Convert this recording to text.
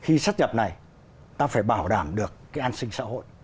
khi sắp nhập này ta phải bảo đảm được cái an sinh xã hội